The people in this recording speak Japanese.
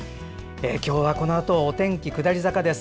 今日はこのあとお天気下り坂です。